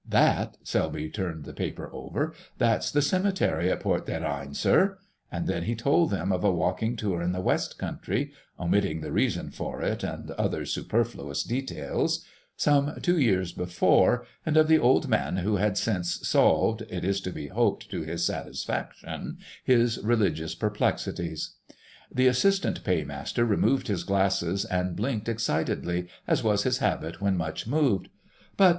"That," Selby turned the paper over, "that's the cemetery at Port des Reines, sir,"—and then he told them of a walking tour in the West Country (omitting the reason for it and other superfluous details) some two years before, and of the old man who had since solved, it is to be hoped to his satisfaction, his religious perplexities. The Assistant Paymaster removed his glasses and blinked excitedly, as was his habit when much moved. "But